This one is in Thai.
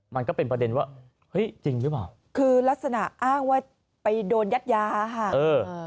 มันก็เป็นประเด็นว่าเฮ้ยจริงหรือเปล่าคือลักษณะอ้างว่าไปโดนยัดยาค่ะเออ